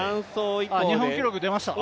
日本記録出ました。